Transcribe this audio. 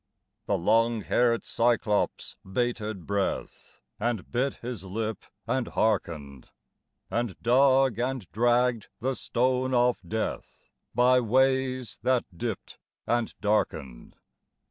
..... The long haired Cyclops bated breath, and bit his lip and hearkened, And dug and dragged the stone of death, by ways that dipped and darkened.